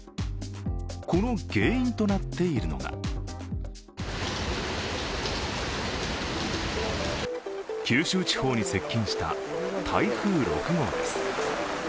この原因となっているのが九州地方に接近した台風６号です。